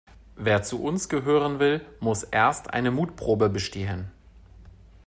Wer zu uns gehören will, muss erst eine Mutprobe bestehen.